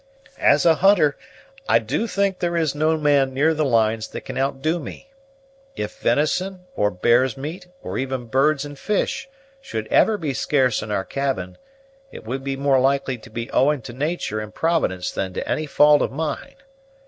As a hunter, I do think there is no man near the lines that can outdo me. If venison, or bear's meat, or even birds and fish, should ever be scarce in our cabin, it would be more likely to be owing to natur' and Providence than to any fault of mine.